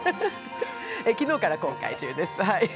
昨日から公開中です。